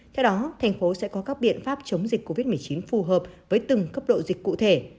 theo đó thành phố sẽ có các biện pháp chống dịch covid một mươi chín phù hợp với từng cấp độ dịch cụ thể